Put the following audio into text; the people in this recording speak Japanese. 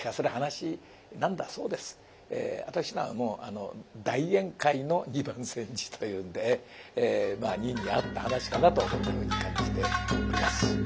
私のはもう大宴会の「二番煎じ」というんでまあニンに合った噺かなとこのように感じています。